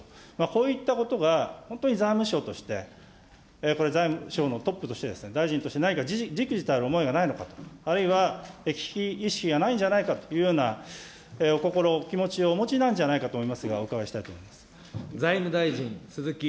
こういったことが本当に財務省として、これ、財務省のトップとして、大臣として何かじくじたる思いがないのかと、あるいは危機意識がないんじゃないかというようなお心、お気持ちをお持ちなんじゃないかと思いますが、お伺いしたいと思います。